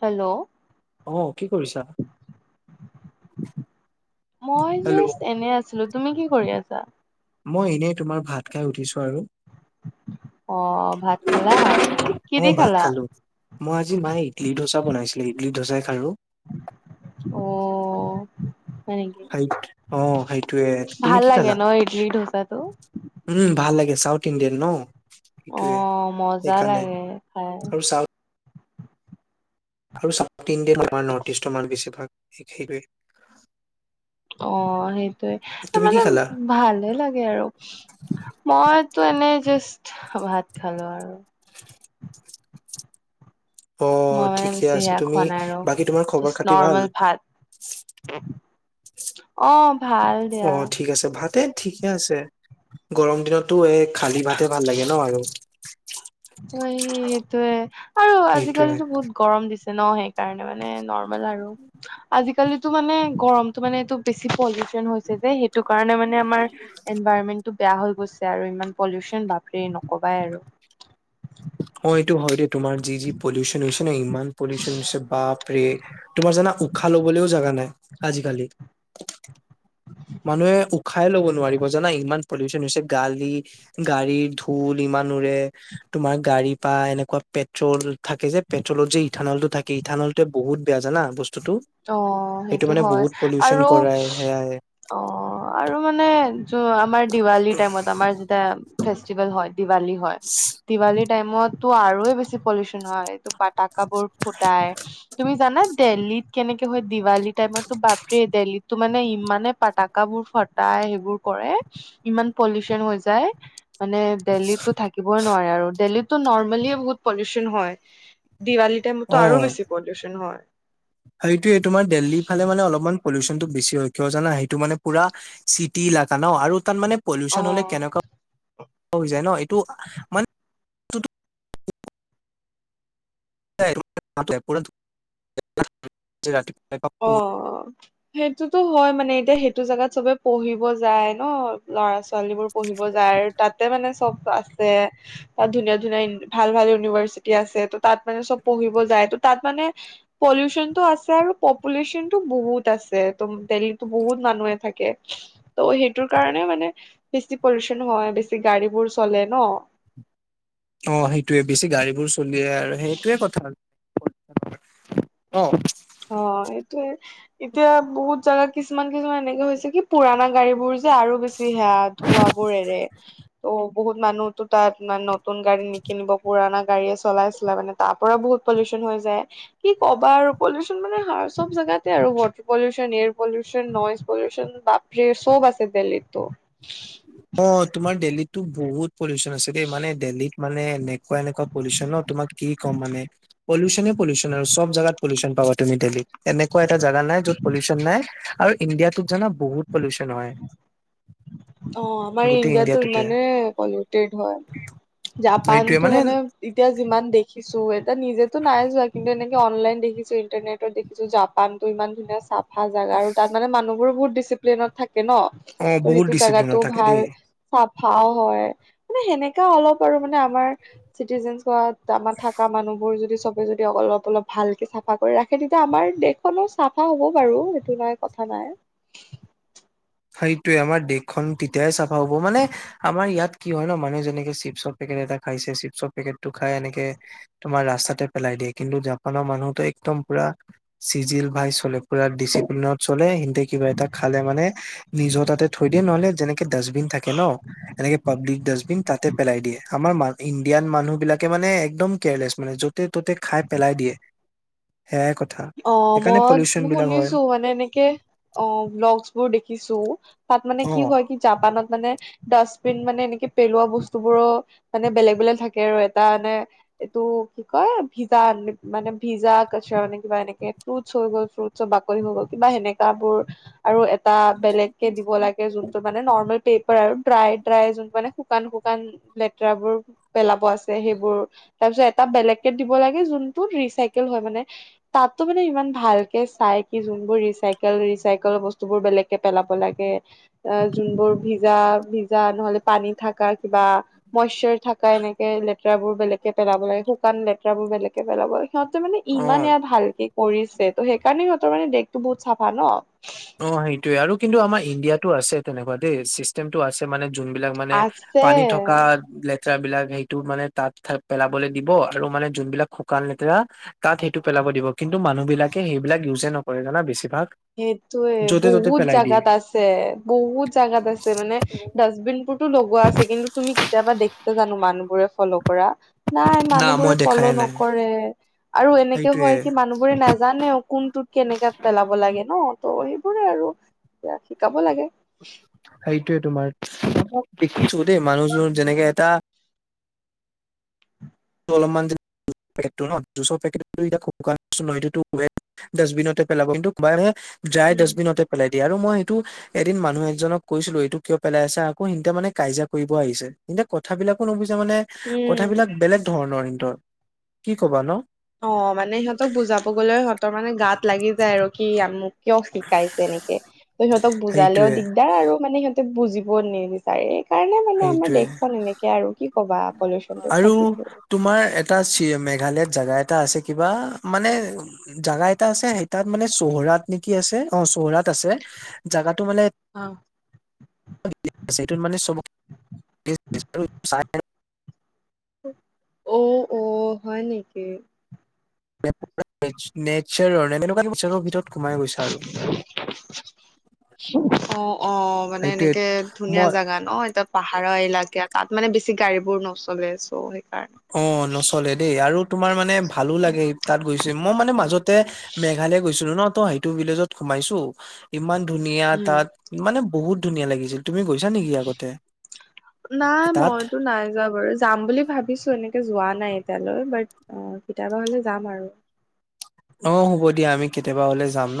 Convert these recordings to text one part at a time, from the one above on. Hello অ কি কৰিছা মই হেল্ল' জাষ্ট এনে আ ছিলো তুমি কি কৰি আছা? মই এনেই তোমাৰ ভাত খাই উঠিছো আৰু। অ' ভাত খালা কি অ দি ভাত খালা? খালো মই আজি মায়ে ইডলি ধোচা বনাইছিলে ইডলি ধোচাই খালো অঁ হয় নেকি? সেই অ সেইটোয়ে তুমি ভাল কি লাগে খালা ন ইডলি ধোচাটো। উম ভাল লাগে, চাউথ ইণ্ডিয়ান ন' অ সেইটোৱে মজা সেইকাৰণে লাগে খাই আৰু চাউ আৰু চাউথ ইণ্ডিয়ান আমাৰ নৰ্থ ইষ্টৰ মানু বেছিভাগ সেইটোৱে অঁ সেইটয়ে তুমি কি মানে খালা ভালে লাগে আৰু মইতো এনে জাষ্ট ভাত খালো আৰু। অ মই মানে ঠিকে বেছি আছে সেয়া তুমি খোৱা নাই আৰু বাকী তোমাৰ খবৰ জাষ্ট খাতি ভাল নৰ্মেল ভাত। অঁ ভাল অ দিয়া। ঠিক আছে, ভাতে ঠিকে আছে গৰম দিনতটো এক খালী ভাতে ভাল লাগে ন আৰু। অঁ সেই সেটোয়ে আৰু সেইটোয়ে আজিকালি বহুত গৰম দিছে ন সেইকাৰণে মানে ন ৰ্মেল আৰু আজি কালিটো মানে গৰমটো মানে টো বেছি পলিওচন হৈছে যে সেইটো কাৰণে মানে আমাৰ এনভাইৰনমেন্টটো বেয়া হৈ গৈছে আৰু ইমান পলিউচন বাপৰে নকবাই আৰু। অঁ এইটো হয় দেই তোমাৰ যি যি পলিউচন হৈছে কিন্তু ইমান পলিউশ্যন হৈছে বাপ ৰে তোমাৰ জানা। উশাহ লবলৈও জাগা নাই আজিকালি মানুহে উ উশাই ল'ব নোৱাৰিব জানা ইমান পলিউশ্যন হৈছে গাড়ী গাড়ীৰ ধূল ইমান উৰে তোমাৰ। গাড়ী পাই এনেকুৱা পেট্ৰল থাকে যে পেট্ৰলতৰ যে ইথানলটো থাকে ইথানলটো বহুত বেয়া জানা বস্তু। বস্তুটো অ সেইটো মানে বহুত পলিউশ্যন কৰাই সেয়াই। অহ আৰু মানে য আমাৰ দিৱালি টাইমত আমাৰ যেতিয়া ফেষ্টিভেল হয় দিৱালী হয় দিৱালী টাইমতো আৰু বেছি। পলিউশ্যন হয় এইটো পাতাকাবোৰ ফুটাই তুমি জানা। দেল্লীত কেনেকে হয় দিৱালী টাইমতো বাপ ৰে দেলি। তো মানে ইমানে পাতাক বোৰ ফটাই সেইবোৰ কৰে ইমান পলিউশ্যন হৈ যায়। মানে দিল্লীতো থাকিবই নোৱাৰে আৰু দিল্লীতো নৰ্মেলিয়ে বহুত পলিউশ্যন। হয় দিৱালী টাইমতো আৰু বেছি পলিউশ্যন হয়। এইটো তোমাৰ দিল্লী ফালে মানে অলপমান। পলিউশ্যচনতটো বেছি হয় কিয় জানা সেইটো মানে পোৰা চিটি ইলাকা ন আৰু তাত মানে। পলিউশ্যন হলে অ কেনে কুৱা হৈ যায় ন এইটো মা [unintelligible] যে ৰাতি অ অ। সেইটোতো হয় মানে এতিয়া সেইটো জেগাত চবে পঢ়িব যায় ন ল'ৰা ছোৱালী বোৰ পঢ়িব যায়। তাতে মানে চব আছে। তাত ধুনীয়া ধুনীয়া ভাল ভাল ইউনিভাৰ্চিটি আছে ত' তাত মানে চব পঢ়িব যায় ত তাত মানে। পলিউশ্যন টো আছে আৰু পপুলেশ্বন টো বহুত আছে ত দেল্লী বহুত মানুহে থাকে। ত' সেইটোৰ কাৰণে মানে বেছি পলিউশ্যন হয় বেছি গাড়ী বোৰ চলে ন অ সেইটোৱে বেছি গাড়ীবোৰ চলিয়ে আৰু সেইটোৱে কথা। অহ অ এইটোয়ে এতিয়া বহুত জাগা কিছুমান কিছুমান এনেকে হৈছে কি পোৰণা গাড়ী বোৰ। যে আৰু বেছি সেয়া ধোঁৱা বোৰে ত' বহুত মানুহতো তাত মানুহ নতুন গাড়ী নিকিনিব পুৰণা গাড়ীয়ে চলাইছে। চলাই মানে তাৰ পৰাও বহুত পলিউশ্যন হৈ যায় কি কবা আৰু। পলিউশ্যন মানে হয় চব জেগাতে আৰু water pollution air pollution noise pollution বা। হে চব আছে দিল্লীতটো অ তোমাৰ দিল্লীটো বহুত। পলিউশ্যন আছে দেই মানে দিল্লীত মানে এনেকুৱা এনেকুৱা পলিউশ্যন ন তোমাক কি ক'ম মানে। পলিউশ্যনে পলিউশ্যনে আৰু চব জাগাত পলিউশ্যন পাবা তুমি দিল্লীত এনেকুৱা এটা জেগা নাই যত পলিউশ্যন নাই। আৰু ইণ্ডিয়াটোত জানা বহুত পলিউশ্যন হয়। অহ আমাৰ গোটেই ইণ্ডিয়াটো ইণ্ডিয়াটোতে ইমানে পলিউটেড হয় সেইটোয়ে জাপানতটো মানে মানে্ এতিয়া যিমান দেখিছোঁ এতিয়া নিজেতো নাই যোৱা কিন্তু এনেকে অনলাইন দেখিছোঁ। ইন্টাৰনেট দেখিছো জাপানতো ইমান ধুনীয়া চাফা জাগা আৰু তাত মানে মানুহবোৰ বহুত দিচি প্লেনত থাকে ন অ', ত বহুত সেইটো জাগাটো ডিচিপ্লিনত থাকে ভাল। দেই। চাফাও হয় মানে সেনেকা অলপ আৰু মানে আমাৰ চিটিজেন। যা আমাৰ থাকা মানুহ বোৰ যদি চব। যদি অলপ অলপ ভালকে চাফা কৰি ৰাখে তেতিয়া আমাৰ দেশখনো চাফা হ'ব বাৰু সেইটো নাই কথা নাই। সেইটোৱে আমাৰ দেশখন তেতিয়াই চাফা হব মানে। আমাৰ ইয়াত কি হয় ন মানুহে যেনেকে চিপছৰ পেকেট এটা খাইছে চিপছৰ পেকেটতো খাই এনেকে। তোমাৰ ৰাস্তাতে পেলাই দিয়ে কিন্তু জাপানৰ মানুহতো একদম পুৰা। চিজিল ভাই চলে পুৰা ডিচিপ্লনত চলে সতে কিবা এটা খালে মানে। নিজৰ তাতে থৈ দিয়ে নহলে যেনেকে ডাষ্টবিন থাকে ন। এনেকে পাব্লিক ডাষ্টবিন তাতে পেলাই দিয়ে আমাৰ মা। ইণ্ডিয়ান মানুহ বিলাকে মানে একদম কেয়াৰলেছ মানে য'তে ত'তে খাই পেলাই দিয়ে। সেয় কথ। অ মই শুনিছো মানে এনেকে অ ভ্লগছ বোৰ দেখিছোঁ। তাত মানে অ কি হয় কি জাপানত মানে। ডাষ্টবিন মানে এনেকে পেলোৱা বস্তুবোৰো মানে বেলেগ বেলেগ থাকে আৰু এটা মানে। এইটো কি কয় ভিজা মানে ভিজা কছে মানে। কিবা এনেকে ফ্ৰুটছ হৈ গ'ল ফ্ৰুটছৰ বাকলি হৈ গ'ল কিবা সেনেকা বোৰ আৰু। টা বেলেগ কে দিব লাগে যোনটো মানে নৰ্মেল পেপাৰ আৰু ড্ৰাই ড্ৰাই যোনটো মানে শুকান শুকান। লেতেৰাবোৰ। পেলাব আছে সেইবোৰ তাৰ পিছত এটা বেলেক দিব লাগে যোনটোত ৰিচাইকেল হয় মানে। তাতো মানে ইমান ভালকে চাই কি যোনবোৰ ৰিচাইকেল ৰিচাইকেলৰ বস্তু বোৰ বেলেগকে পেলাব লাগে। আহ যোনবোৰ ভিজা ভিজা নহলে পানী থকা কিবা। মইশ্বাৰ থকা এনেকে লেতেৰাবোৰ বেলেগকে পেলাব লাগে শুকান লেতেৰাবোৰ বেলেগ। পেলাব সিহঁতে মানে ইমান অ এয়া ভালকে। কৰিছে ত সেইকাৰণে সিহতৰ মানে দেশতো বহুত চাফা ন। অ সেইটোৱে আৰু কিন্তু আমাৰ ইণ্ডিয়াতটো আছে তেনেকুৱা দেই চিষ্টেমটো আছে। যোনবিলাক মানে পানী থকা। আছে লেতেৰা বিলাক সেইটো মানে তাত পেলাবলৈ দিব আৰু মানে যোনবিলাক শুকান লেতেৰা। তাত সেইটো পেলাব দিব কিন্তু মানুহ বিলাকে সেইবিলাক ইউজে নকৰে জানা বেছিভাগ। সেইটোয়ে য'তে ত'তে বহুত পেলাই দিয়ে। জাগাত আছে বহুত জাগাত আছে মানে। ডাষ্টবিনবোৰতো লগোৱা আছে কিন্তু তুমি কেতিয়াবা দেখিছা জানো মানুহবোৰে ফল' কৰা। নাই না মই মানুহবোৰে ফল' দেখাই নাই নকৰে আৰু এনেকে সেইটোয়ে হয় কি মানুহবোৰে নাজা। জানেও কোনটোত কেনেকে পেলাব লাগে ন ত' সেইবোৰে আৰু এ শিকাব লাগে। সেইটোয়ে তোমাৰ দেখিছো দেই মানুহজোৰ যেনেকে এটা। টো অলমান [unintelligible] ডাষ্টবিনতে পেলাব কিন্তু কবে ড্ৰাই ডাষ্টবিনতে পেলাই দিয়ে আৰু মই এইটো। এদিন মানুহ এজনক কৈছিলো এইটো কিয় পেলাই আছে আকৌ এন্ততে মানে কাজিয়া কৰিব আহিছে এন্তয়া কথ বিলাকো নুবুজে মানে। উম কথাবিলাক বেলেগ ধৰণৰ সিহঁতৰ কি কবা ন। অ মানে সিহঁতক বুজাব গলে। তাৰ মানে গাত লাগি যায় আৰু কি মোক কিয় শিকাইছে এনেকে। ত সিহঁতক বুজালেও সেইটোয়ে দিগদাৰ আৰু মানে সিহঁতেক বুজিবও নেবে। সেই কাৰণে মানে আমাৰ সেইটোয়ে দেশখন এনেকে আৰু কি কবা পলিউচন টো আৰু থাকিবই। তোমাৰ এটা ছি মেঘালয়ত জেগা এটা আছে কিবা মানে। জাগা এটা আছে সেই তাত মানে চহৰাত নি। কি আছে অ চহৰাত আছে জেগাটো মানে। অ সেইটো মানে চবকে। [unintelligible] অ অ হয় নেকি। [unintelligible] নেটচাৰৰ তেনেকুৱাৰ নেচাৰৰ ভিতৰত সোমাই গৈছে আৰু। অ অ মানে সেইটোৱে এনেকে ধুনীয়া মই জোগা ন এ তাত। পাহাৰৰ এলেকা তাত মানে বেছি গাড়ী বোৰ নচলে চ' সেইকাৰণে। অ নচলে দেই আৰু তোমাৰ মানে ভালো লাগে তাত গৈছে মই মানে মাজত মেঘালয় গৈছিলো ন ত সেইটো ভিলেজত সোমাইছো ইমান ধুনীয়া উম তাত মানে বহুত ধুনীয়া লাগিল তুমি গৈছা নেকি আগতে নাই তাত মইতো নাই যোৱা বাৰু যাম বুলি ভাবিছো এনেকে যোৱা নাই এতিয়ালৈ বাট অ কেতিয়াবা যাম আৰু অ হ'ব দিয়া আমি কেতিয়াবা হলে যাম ন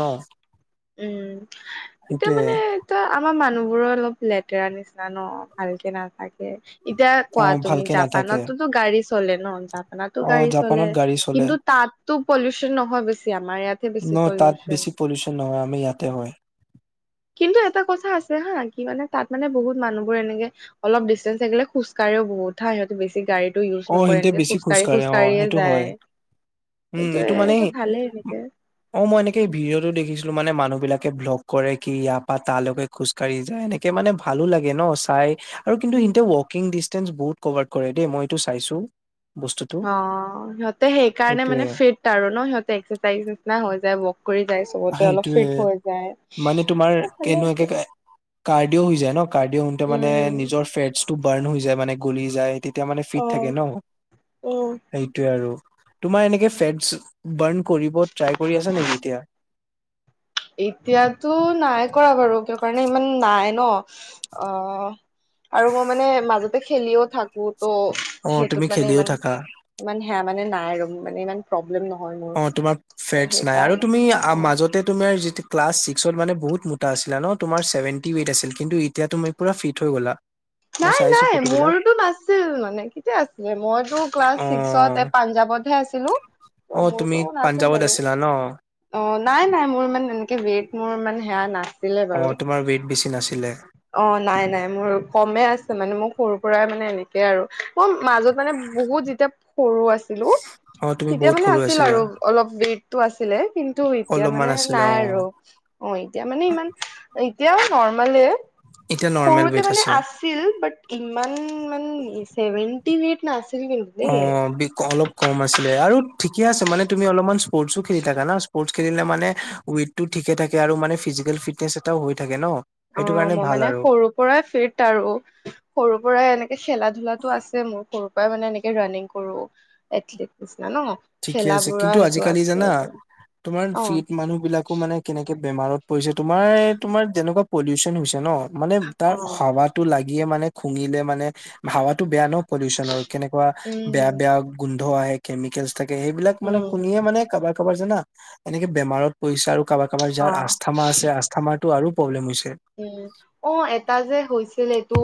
উম এতিয়া সেইটোয়ে মানে ত আমাৰ মানুহ বোৰো অলপ লেতেৰা নিচিনা ন ভালকে নাথাকে এতিয়া অ কোৱা তুমি ভালকে নাথাকে জাপানতোতো গাড়ী চলে ন জ পানাতো অ গাড়ী চলে জাপানত গাড়ী চলে কিন্তু তাততো পলিউচন নহয় বেছি আমাৰ ইয়াত ন তাত বেছি পলিউচন নহয় আমি ইয়াতে হয় কিন্তু এটা কথা আছে হা কি মানে তাত মানে বহুত মানুহবোৰ এনেকে অলপ ডিষ্টেঞ্চ থাকিলে খোজকাঢ় বহতা সিহঁত বেছি গাড়ীত টো ইউজ অ নকৰে সিহতে এনেকে বেছি খোজ কাঢ়ি খোজ কাঢ়ে অ কাঢ়িয়ে সেইটো হয় যায় উম এইটো মানে সেইটোয়েটো ভালেই এনেকে অ মই এনেকে এই ভিডিঅ' টো দেখিছিলো মানে মানুহ বিলাকে ব্লগ কৰে কি ইয়াৰ পৰা তালৈকে খোজকাঢ়ি যায় এনেকে মানে ভালো লাগে ন চাই আৰু কিন্তু উম। এয়া ৱাকিং ডিচষ্টেঞ্চ বহুত কভাৰ কৰে দেই মই এইটো চাইছো বস্তুটো অ সিহতে সেইকাৰণে সেইটোয়ে মানে ফিট আৰু ন সিহঁতে এক্সাৰচাইজ নিচনা হৈ যায় কৰি যায় চবতে অলপ সেইটোয়ে ফিট হৈ যায় মানে তোমাৰ ভালে কেনেকুৱাকে আছে কাৰ্ডিঅ হৈ যায় ন কাৰ্ডিঅ' হওঁতে মানে উম নিজৰ ফেটটো বাৰ্ণ হৈ যায় মানে গলি যায় তে তেতিয়া মানে অ ফিট থাকে ন অ সেইটোয়ে আৰু তোমাৰ এনেকে ফেটচ বাৰণ কৰিব ট্ৰাই কৰি আছা নেকি এতিয়া এতিয়াতো নাই কৰা বাৰু ক কাৰণে ইমান নাই ন অ আৰু মই মানে মাজতে খেলিও থাকো ত' অ সেইটোত তুমি মানে খেলিও ইমান থাকা ইমান সেয়া মানে নাই আৰু মানে ইমান প্ৰব্লেম নহয় মোৰ অ তোমাৰ ফেটচ নাই আৰু সেইকাৰণে তুমি অ মাজতে তুমাৰ যি ক্লাছছিক্সত মানে বহুত মোটাছিলা ন তোমাৰ চেভেটি ৱেট আছিল কিন্তু এতিয়া তুমি পুৰা ফিট হৈ গ'লা মই নাই চাইছো নাই ফটোবিলাক মোৰতো নাছিল মানে কেতিয়া আছিলে মইতো ক্লাছ অ ছিক্সত পাঞ্জাৱতহে আছিলো অ ত' তুমি মোৰতো নাছিল পাঞ্জাৱত বাৰু আছিলা ন অ নাই নাই মোৰ মানে এনেকে বট মোৰ মানে সেয়া না অ তোমাৰ ৱেইট বেছি নাছিলে অ নাই নাই মোৰ কমে আছে মানে মোক সৰু পৰাই মানে এনে আৰু মই মাজত মানে বহুত যেতিয়া সৰু আছিলো অ তুমি তেতিয়া বহুত মানে সৰু আছিল আছিলা আৰু অলপ ৱেটটো আছিলে কিন্তু এতিয়া অলপমান মানে আছিলা নাই অ আৰু অ এতিয়া মানে ইমান এতিয়াও নৰ্মালে এতিয়া নৰ্মেল সৰুতে ৱেইট মানে আছে আছিল বাট ইমান মানে চেভেনটি ৱেট নাছিল কিন্তু অ দেই। অলপ কম আছিলে আৰু ঠিকে আছে মানে তুমি অলপমান স্পৰ্টছো খেলি থাকা না স্পৰ্ট খেলিলে মানে ৱেত টো ঠিকে থাকে আৰু মানে ফিজিকেল ফিটনেচ এটাও হৈ থাকে ন অ সেইটো কাৰণে মই ভাল মানে আৰু সৰু পৰাই ফিত আৰু সৰুৰ পৰাই এনেকে খেলা ধূলাটো আছে মোৰ সৰুৰ পৰাই মানে এনেকে ৰানিং কৰো এথলেটিক নিচিনা ন ঠিকে খেলা আছে বুৰা কিন্তু সেইটো আজিকালি আছে জানা তোমাৰ অ' ফিট মানুহ বিলাক একো মানে কেনেকে বেমাৰত পৰিছে তোমাৰ তোমাৰ যেনেকোৱা পলিউচন হৈছে ন মানে তাৰ অ' হাৱাটো লাগিয়ে মানে খুঙিলে মানে হাৱাটো বেয়া ন পলিউশ্যনৰ কেনেকোৱা বেয়া উম বেয়া গোন্ধ আহে কেমিকেলচ থাকে সেইবিলাক মানে উম শুনিয়ে মানে কাৰবাৰ কাৰোবাৰ জানা এনেকে বেমাৰত পইচা আৰু কাৰবাৰ কাৰবাৰ যাৰ অ' আস্থামা আছে আস্থামাটো আৰু প্ৰব্লেম হৈছে উম অ এটা যে হৈছিল এইটো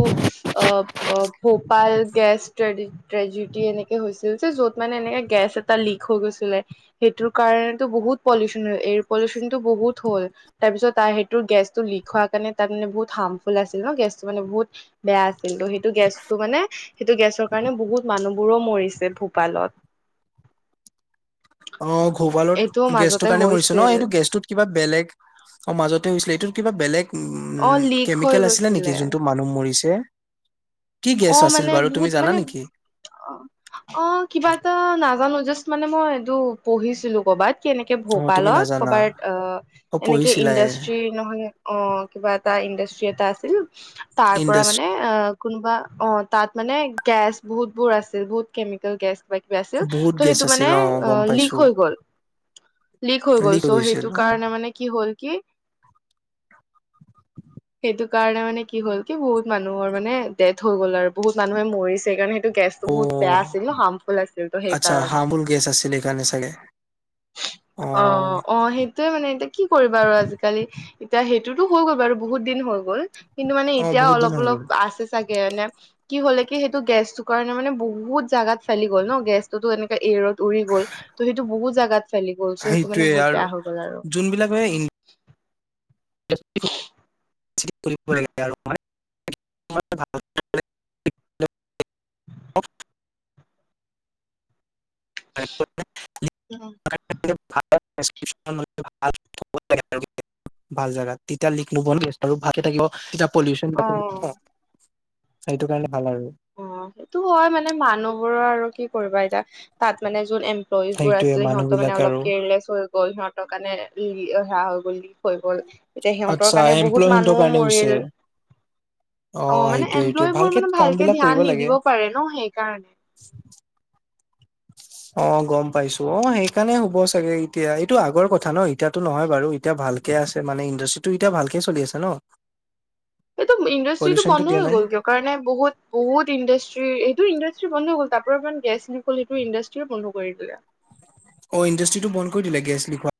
অ অ ভোপাল গেছ ষ্টাডি ট্ৰেজিটি এনেকে হৈছিল যে য'ত মানে এনেকে গেছ এটা লিক হৈ গৈছিলে সেইটোৰ কাৰণেতো বহুত পলিউশ্যন হল এয়াৰ পলিউশ্যনটো বহুত হ'ল তাৰপিছত তাৰ সেইটো গেছটো লিক হোৱাৰ কাৰণে তাৰ মানে বহুত হাৰ্মফুল আছিল ন গেছটো মানে বহুত বেয়া কিন্তু সেইটো গেছটো মানে মানে সেইটো গেছৰ কাৰণে বহুত মানুহ বোৰো মৰিছে ভূপালত অ ভোপালত এইটোও গেছটো মাজতে কাৰণে মৰিছে ন হৈছিল এইটো গেছটোত কিবা বেলেগ অ মাজতে হৈছিলে এইটোত কিবা বেলেগ অ উম লিক হৈ কেমিকেল আছিলে নেকি গৈছিলে যোনটো মানুহ মৰিছে কি গেছ মানে আছিল বাৰু বহুত তুমি জানা মানে নেকি অ অ কিবা এটা নাজানো জাষ্ট মানে মই এইটো পঢ়িছিলো কৰবাত কেনেকে অ' তুমি ভোপালত নাজানা কৰ'বাত অ অ' এনেকে পঢ়িছিলাই ইণ্ডাষ্ট্ৰি নহয় অ কিবা এটা ইণ্ডাষ্ট্ৰি এটা আছিল তাৰ পৰা ইণ্ডাষ্ট মানে অ কোনোবা অ তাত মানে গেছ বহুত বোৰ আছিল বহুত কেমিকেল গেছ কিবা কিবা আছিল বহুত ত' গেছ সেইটো মানে আছিল অ' গম লিক পাইছো হৈ গ'ল লিক হৈ গ'ল চ' সেইটো কাৰণে মানে কি হ'ল কি সেইটো কাৰণে মানে কি হ'ল কি বহুত মানুহৰ মানে ডেথ হৈ গ'ল আৰু বহুত মানুহে মৰিছে কাৰণ সেইটো গেছ বহুত বেয়া অ' আছিল ন হাৰ্মফুল আছিল ত আচ্ছা সেইকাৰণে হাৰ্মফুল গেছ আছিল সেইকাৰণে চাগে অ অ সেইটোৱে মানে এতিয়া কি কৰিবা আৰু আজিকালি এতিয়া সেইটোতো হৈ গ'ল বাৰু বহুত দিন হৈ গ'ল কিন্তু মানে অ' এতিয়া বহুত দিন অলপ হৈ গ'ল অলপ আছে কে এনে কি হ'লে কি সেইটো গেছটোৰ কাৰণে মানে বহুত জাগাত ফেলি গ'ল ন গেছটোতো এনেকা এৰত উৰি গ'ল ত সেইটো বহুত জাগাত ফেলি গ'ল চ' সেইটো মানে সেইটোয়ে বহুত আৰু বেয়া হৈ গ'ল আৰু যোনবিলাকে ই কৰিব লাগে আৰু মানে তোমাৰ [unintelligible] [unintelligible] ভাল জেগাত তেতিয়া লিক হব ভালে থাকিব এতিয়া পলিউচন অ সেইটো কাৰণে ভাল আৰু অ সেইটো হয় মানে মানুহবোৰৰ আৰু কি কৰিবা এতিয়া তাত মানে যোন এন লয়জ বোৰ সেইটোয়ে আছিল মানুহ সিহঁত মানে বিলাক আৰু অলপকে লেজ হৈ গল সিহঁতৰ কাৰণে লি সেয়া হৈ গ'ল হৈ গ'ল এতিয়া সিহঁতৰ আচ্ছা কাৰণে বহুত এমপ্লয়মেন্টৰ মানুহও কাৰণে হৈছে মৰিল অ মানে সেইটোয়ে সেইটোয়ে এমপ্লয় বোৰ মানে কাম ভালকে বিলাক কৰিব ধ্যান লাগে নিদিবও পাৰে ন সেইকাৰণে [unintelligible] [unintelligible] অ গম পাইছো অ সেইকাৰণে হ'ব চাগে এতিয়া এইটো আগৰ কথা ন এতিয়াতো নহয় বাৰু এতিয়া ভালকে আছে মানে ইণ্ডাষ্ট্ৰিটো এতিয়া ভালকে চলি আছে ন এইটো ইণ্ডষ্ট্ৰ্ৰীটো পলিউচনটো বন্ধ দিয়া হৈ নাই গ'ল কিয় কাৰণে বহুত বুহুত ইণ্ডাষ্ট্ৰি এইটো ইণ্ডাষ্ট্ৰি বন্ধ গ'ল তাৰ পৰা ইমান গেছ অকল সেইটো ইণ্ডাষ্ট্ৰিও বন্ধ কৰি দিলে অ ইণ্ডাষ্ট্ৰিটো বন কৰি দিলে গেছ লিক খোৱা